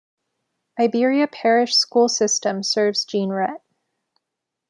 Iberia Parish School System serves Jeanerette.